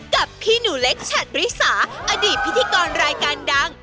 กับพี่หนูเล็กฉัดริสาอดีตพิธีกรรายการดัง